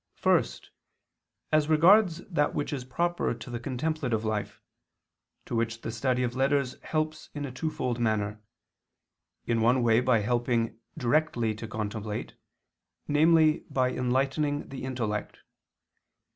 First, as regards that which is proper to the contemplative life, to which the study of letters helps in a twofold manner. In one way by helping directly to contemplate, namely by enlightening the intellect.